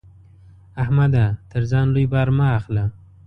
احمده! تر ځان لوی بار مه اخله.